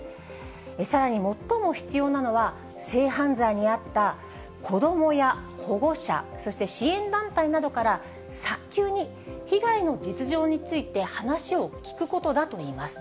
さらに最も必要なのは、性犯罪に遭った子どもや保護者、そして支援団体などから、早急に被害の実情について話を聞くことだといいます。